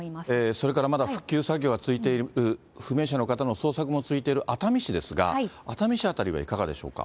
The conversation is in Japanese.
それからまだ復旧作業が続いている、不明者の方の捜索も続いている熱海市ですが、熱海市辺りはいかがでしょうか。